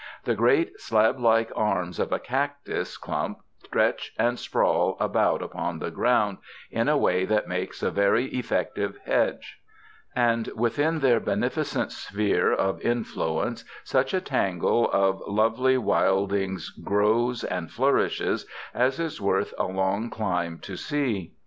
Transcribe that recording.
The great slab like arms of a cactus clump stretch and sprawl about upon the ground in a way that makes a very effective hedge, and within their beneficent sphere of influ ence such a tangle of lovely wildings grows and flourishes as is worth a long climb to see.